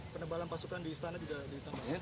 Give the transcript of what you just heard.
penebalan pasukan di istana sudah ditemukan